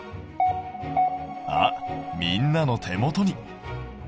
あっみんなの手元に。